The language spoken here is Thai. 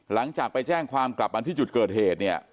หลังจากไปแจ้งความกลับมาที่จุดเกิดเหตุเนี่ย